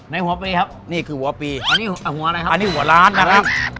ในหัวปีครับนี่คือหัวปีอันนี้หัวอะไรครับอันนี้หัวล้านนะครับ